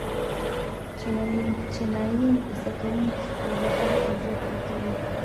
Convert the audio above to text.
چینايي زده کوونکي په بهر کې زده کړې کوي.